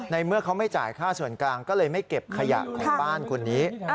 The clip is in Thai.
เมื่อเขาไม่จ่ายค่าส่วนกลางก็เลยไม่เก็บขยะของบ้านคนนี้